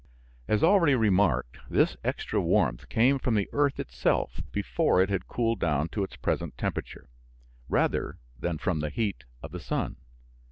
As already remarked, this extra warmth came from the earth itself before it had cooled down to its present temperature, rather than from the heat of the sun.